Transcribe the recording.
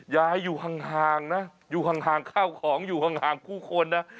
อย่าอยู่ห่างนะอยู่ห่างข้าวของอยู่ห่างผู้คนนะ